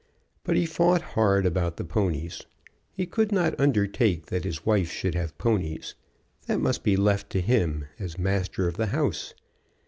But he fought hard about the ponies. He could not undertake that his wife should have ponies. That must be left to him as master of the house.